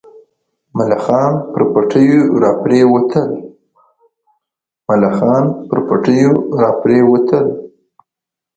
ملخان پر پټیو راپرېوتل.